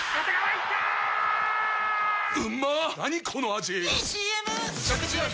⁉いいＣＭ！！